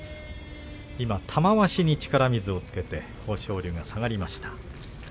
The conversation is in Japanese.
今、玉鷲に力水をつけて豊昇龍が下がりました。